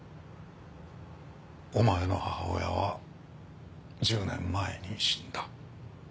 お前の母親は１０年前に死んだ。